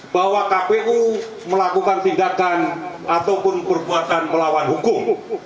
bahwa kpu melakukan tindakan ataupun perbuatan melawan hukum